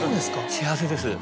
幸せです。